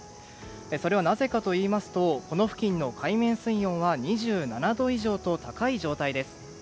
それはなぜかといいますとこの付近の海面水温は２７度以上と高い状態です。